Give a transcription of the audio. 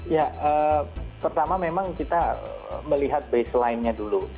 ya pertama memang kita melihat baseline nya dulu